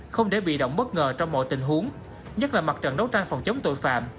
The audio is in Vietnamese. không để bị động bất ngờ trong mọi tình huống nhất là mặt trận đấu tranh phòng chống tội phạm